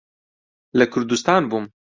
لە کوردستان بووم.